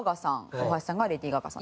大橋さんがレディー・ガガさん。